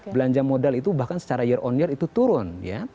belanja modal itu bahkan secara year on year itu turun